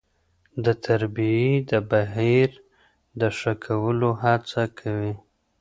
د تربيې د بهیر د ښه کولو هڅه کوي.